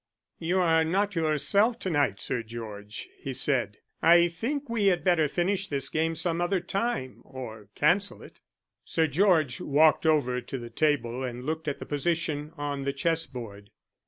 "You are not yourself to night, Sir George," he said. "I think we had better finish this game some other time, or cancel it." Sir George walked over to the table and looked at the position on the chess board.